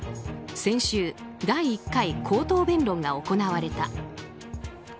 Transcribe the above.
先週、第１回口頭弁論が行われた。